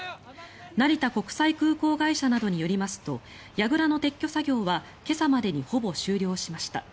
成田国際空港会社などによりますとやぐらの撤去作業は今朝までにほぼ終了しました。